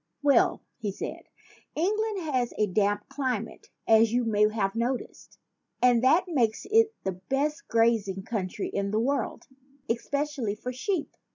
"Well," he said, "England has a damp cli mate, as you may have noticed; and that makes it the best grazing country in the world es pecially for sheep.